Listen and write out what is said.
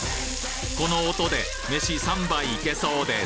この音で飯３杯いけそうです！